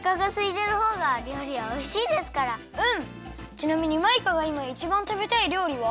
ちなみにマイカがいまいちばんたべたいりょうりは？